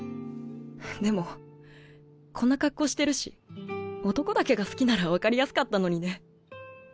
でもこんな格好してるし男だけが好きなら分かりやすかったのにね。